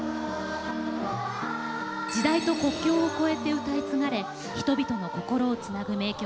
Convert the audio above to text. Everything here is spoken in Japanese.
時代と国境を越えて歌い継がれ人々の心をつなぐ名曲